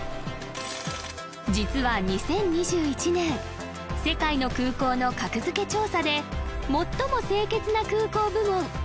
実は２０２１年世界の空港の格付け調査で「最も清潔な空港部門」